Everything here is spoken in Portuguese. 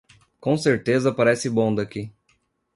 Com certeza parece bom daqui.